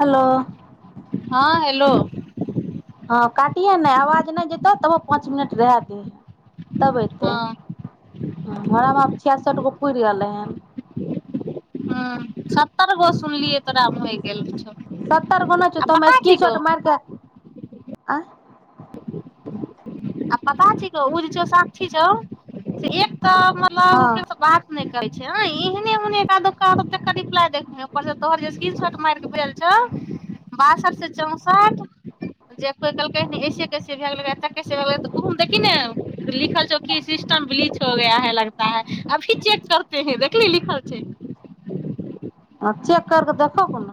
[inaudible] hello हँ hello हँ काटिहे नहि आवाज नहि जेतौ तबो पाँच मिनट रह दहे तब अ एयतै हँ हमरामे आ छिय सए रक पुर रहलै हन हँ स्तर ग सुनलि तऽ राम होइ गेल छ सत्तर गुना छ त स्क्रीन शॉर्ट मार क आँ आ पता छै क ओ जे छौ साक्षी छौ से एक तऽ मतलब ओकर हँ बात नहि कहै छैह ् तोहरकी शॉट मार के छौ बासठ से चौंसठ जे कोई कहलकै ऐसे कैसे भ गेल सेै त ओ देखी ने लिखल छौ की सिस्टम ब लीच हो गया है लगता है अभी चेक करते हैं देखली लिखल छै चेेक करके देख कोन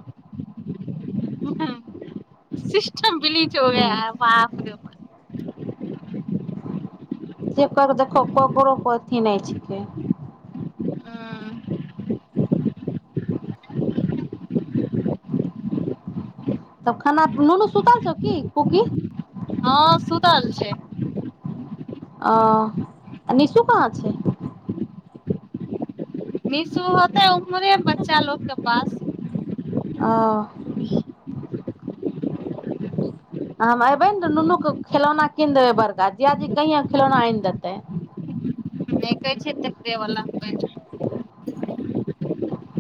ह शबली च हो ग हूँ बाप जेकर देखहो ककरो को अथी नहि छिकै ह तब खानना नुन सुता छ की कोकी हँ सु तल छै ओ निशु कहाँ छै निशो होतै उमरे बच्चा लोकके पास ओ हम अयबै ने तऽ नुनूके खिलौना कीन देबै बड़का जियाजी कहिआँ खिलौना आनि देतै नहि कहै छैेवला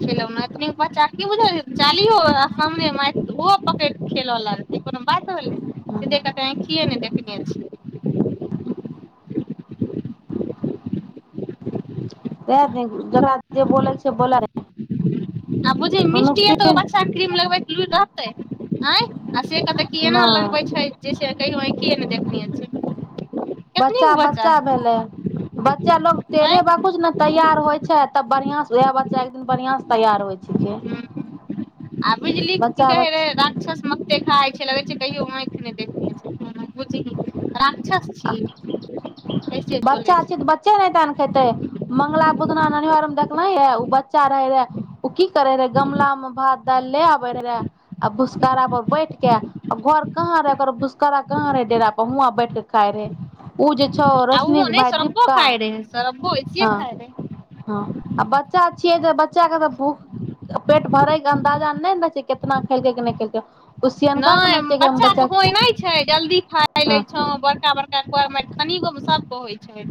खेल बच्चा की बुझ चालियो आ सामने ओहो पकड़ि खेलऽ लगतै कोनो बात ज हूँ त कि नहि देखने त जकरा जे बोलल छै बोल आ बुझिय मिस्टी त बक्सा क्रीम लगबैऽ लुरि रहतै आँय आ से क तऽ केना लगबे नहि छै जस कहियो [unintelligible] बच्चा बच्चा भेलै बच्चा लोग हय तेरे बाकुछ ने तैयार होइ छै तब बढ़िआं से उएह बच्चा एक दिन बढ़िआं से तैयार होइ छिकै आँय आ बिजली की बच्चा कहे बच रहे राक्षस मकते खाइ अचछ लग छै कहियो आंखि नै देखने छै हं बुजही रात बच्चा छै तऽ बच्चे नहि तन खेतै मंगला बुदना ननिहर मे देखल हे ओ बच्चा रहे रहे ओ की करे रहे गमला में भात दालि ले आबे रहे रहे आ भुसखरा पर बैठ के आ घर कहाँ रहे ओकर भुसखरा कहाँ रहे डेरा पर हुआं बैठ के काय रहै उ जे छ र ओ नहि सरबबो खाय रहेै सरबो ऐसए हँ खाय हँ आ रहे बच्चा छियै जे बच्चा के तऽ भूख पेट भरय के अन्दाजा नहि ने रहै छै केितना खेलकै कि नहि खेलकै ओ सियनका के नहि ने छै हम बच्चा बच्चाके होइ नहि छै जल्दी खाय लै हँ छौ बड़का बड़का करमे कनिगो मे सबके होइ छै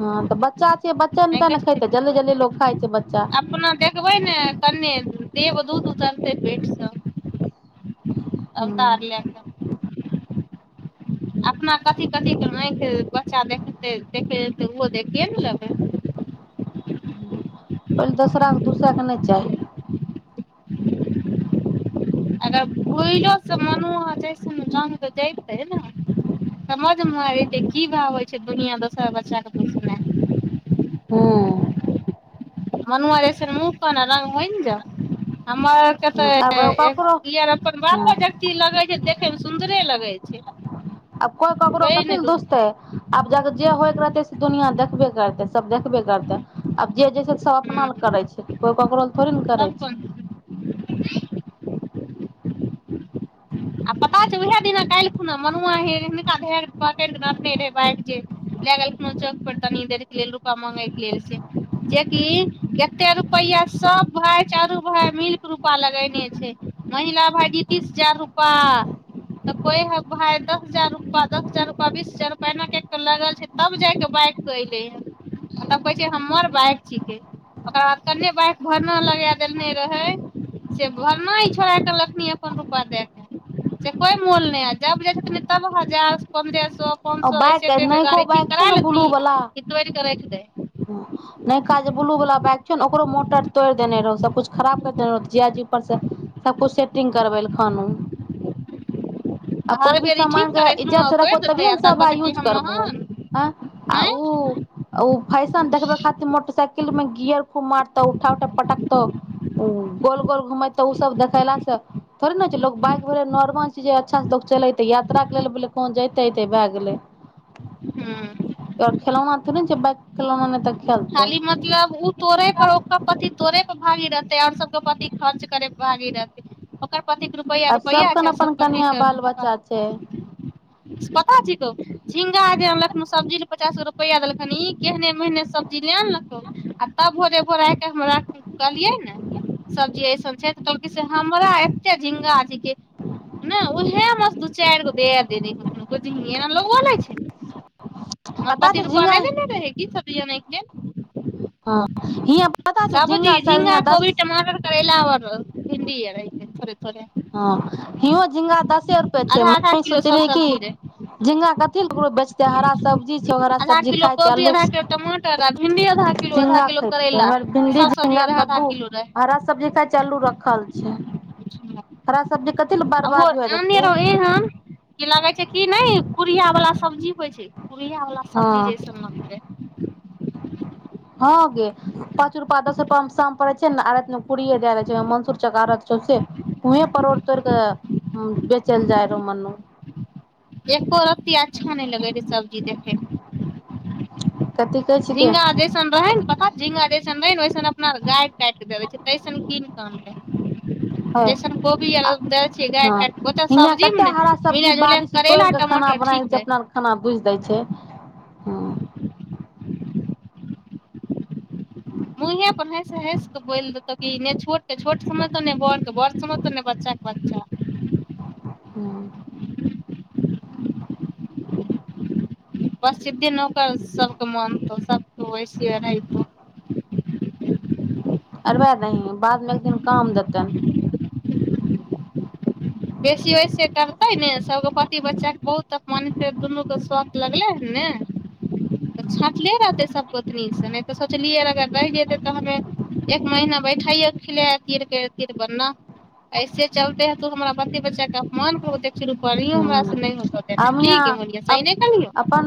हँ तऽ बच्चा छियै बच्चा ने तऽ ने खेतै जल्दी जल्दी लोग खाइ छै बच्चा [unintelligible] अपना देखबै ने कने देब दूध खेतै लेट सए हूँ अबतार ले क अपना कथी कथीके आँखि बच्चा देखतै देखैतै ओहो देखिए ने लेबै पहिले दोसराके दूसक नहि चाही अगर भूइलोसँ मनुआ जइस ज त जतै ने समझमे आ जेतै की भाव होइ छै दुनिआँ दोसर बच्चाके पोसने हूँ मनुआ अइसन मु को ने रंग होनि जाउ हमर औरके तऽ आब एक ककरो यार अपन हँ बातो जी लगै छै देखैमे सुन्दरे लगै छै आब कोई ककरो कहै कथी ने ल दूध दुोसते आब ज जे होइ के रहते से दुनिया देखबे करतै सभ देखबे करतै आब जे जाइ छै सभ अपना ह ल करै छै कोइ ककरो ल थोड़े ने करै तब छै कोन [inaudible] कालखुना मनुआ हे हिनका ध पकड़िक रटने रहे बाइक जे लए गेलखुन चौक पर तनी देर के लेल रूपा मांगे के लेल से जेकि एते रुपआ सब भाय चारू भाय मिल के रूपा लगेने छै मझिला भायजी तीस हजार रु रुपा तऽ कहै हइ भााय दस हजार रूपा दस हजार रूपआ बीस हजार रूपा एना कए कऽ लागल छै तब जााकऽ बाइकके एलै हँ आ तब कहै छै हमर बाइक छिकै ओकर बाद कन्ने बाइक भरना लगा देेलने रहै से भरना ही छोड़ कऽ रखनी अपन रूपा दए कऽ से कोइ मोल नहि ह जब जाइ छथिन तब हजार पन्दे सौ पाँच सए बाइक ऐसे कर के नयको गाड़ी ठीक बाइक छौ करा ने ब्लू लेथिन वाला र [inaudible] नयका जे ब्लूवला बाइक छौ ने ओकरो मोटर तोड़ि देने रहौ सभकिछु खराब करि देने रहौ जीजा जी परसँ सभकिछु सेटिंग करबेलखुन आ हर कोई भी बेर ई ठीक समानके करेथिन इज्जत आ से तोड़ि रखबहो देते तभिए आ ने तब सब कहते कि यूज हम करबहो महान एं आ आँय ओ फै देखब खाति मोटरसइकिल गियर खूब मारतौ उठा उठा पटकतौ गोल गोल घुमेतो ओ सब देखेलास से थोड़े ने लोग बाइ भेल नॉर्मल छै अच्छा से चलेते यात्रा के लेलो कह जते ते भए गेले हँ खेलमे ने जे ब कलो नहि तक खाली मतलब ओ तोड़े पर ओक पति तोड़े भागी रहतै आओर सबके पति खर्च करे भागी रहतै ओकर सब कथिक रुपैआ आ रुपैआ सबकन छै सब अपन कनिया कतिके बाल रू बच्चा छै पता छ कह झिंगा जेलख सब्जी ल पचास गो रुपैआ देलखन ई केहने महने ज ल आ ने त आ तब भोरे भोरा के हमरा कहलिये ने सबजी ऐसन छै तऽ कहलकै से हमरा एते झिंगा छिक ने उहे मस चारि गो द दे को ह ललै छै आ पता पतिी छौ रुपा झिंगा नहि देने रहेगी छज नहि के हँ हियाँ पता छौ सबजी झिंगा शायद झींगा हियाँ दस कोबी टमाटर करैला आओर भिणडी ह [inaudible] हँ हिो झिंगा दसे रुपए छै आधा आधा मम्मी किलो सब सोचलियै की सब्जी रहे झिंगा कथी ल ककरो बेचते हरा सब्जी हरा आधा सब्जी किलो खाइ छै कोबी आल्लू आधा किलो टमाटर आ भिंडी आधा किलो आधा झिंगा किलो खायै करैला ह भिणडी सब सब्जी झिंगा आधा आधा कद्दू किलो रहै हरा सब्जी खााय छै आलू रखल छै हरा सब्जी कथी ल आ बर्बाद हुए आने देतै रह एहन कि लगे छै किी नहि पुरिया बालला सब्जी छै प अला सबजी हँ जेसमन्दे हँ गे पाँच रूपा दस रूपा मे शाम पड़ै छै आर कड़ द देे छै मसर च आर चौ उहे परड़ तोड़ क बेचल जाय रहौ मन एको रत्ती अच्छा नहि लगे रहे [inaudible] कथी कहै छिकै झिंगा देसन रहै पता झिंगा देन च अपना गा काटिक देे छ छै तैसन कीन कऽ ह हय जैसन कोबी आर दै छियै गाय हँ काटि कऽ ओतय हियाँ सबजीमे कते ने हरा सब्जी मिला जुलाए बाड़ी कऽ से करैला तोड़ के टमाटर ठीक हू रहै नहि छोट छोट सम त ने ब बड़ सम तो ने बच्चाके बच्चा ह्म बसधी नौकर सभके मनतौ सभ वैसे रहतौ अरबे ती बादमे एक दिन कामदतन बेसी वऐसे करतै ने सभगो पति बच्चाके बहुत तमानत दुन्नूके शौख लगलै हन ने त छाँटले रहतै सभ गोतनीसँ नहि तऽ सोचलियै अगर रहि जेतै तऽ हमे एक महीना बैठैयो खिला तीरीर बनना ऐसे चलते हे तू हमरा कते बच्चा के अपमान कऽ के देखियो पढ़ियो हमरा से नहि होतौ आ देनाइ मिया की गे मुलिया सही नहि कहलियौ अपन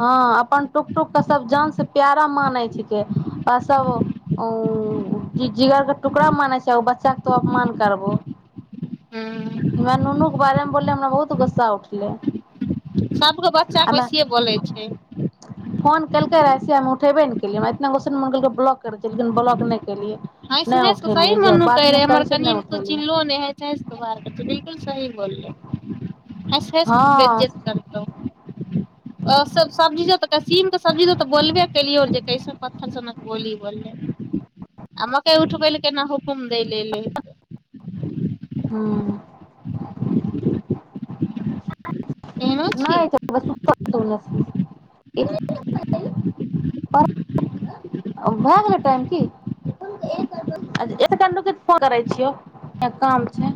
हँ अपन तू सब जान से प्यारा मानै छै कि सब जिगरके टुकड़ा मानै छै ओ बच्चाके तो अपमान करबो हूँ हमरा नुनू के बारे मे बोललै हमरा बहुत तब गुस्सा उठलय सबके बच्चा के हमे वैसिये बोलै छै फोन केलकै रहयसे हम उठेबे ने के लिए हमरा इतना गुस्सा मन कयलके ब्लोक कर हँसि हँसि के सहि उठेलियै मे जे मनु बात कहै नहि रहय करै हमर छै कनि नहि तऽ उठेलियै चिन्हलो नहि होइ छै हँसि हँसि के बाजय बिलकुल सही बोलले हँसि हँसि के हँ बेज्जत करतो आओर सब सबजी सब तऽ तऽ सीम के सब्जी दऽ बोलबे केलियो जे कैसे पत्थर सन बोली बोले आ मकइ उठबै ले केना हुकुम दै लेल एलै हँ [unintelligible] एहनो नहि छी तऽ हबै सुतल छौ ओने से भए गेलै टाइम की एक मिनट रूकै तऽ फोन करै छियौ कनि काम छै